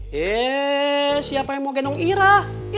ya siapa yang mau dipercaya dengan saya